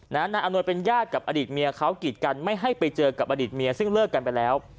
นายอำนวยเป็นญาติกับอดีตเมียเขากีดกันไม่ให้ไปเจอกับอดีตเมียซึ่งเลิกกันไปแล้ว